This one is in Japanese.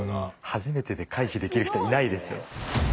初めてで回避できる人いないですよ。